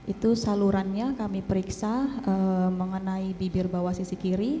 itu salurannya kami periksa mengenai bibir bawah sisi kiri